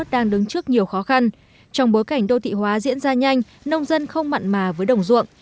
đang đứng trước nhiều khó khăn trong bối cảnh đô thị hóa diễn ra nhanh nông dân không mặn mà với đồng ruộng